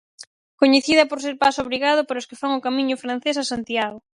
Coñecida por ser paso obrigado para os que fan o Camiño francés a Santiago.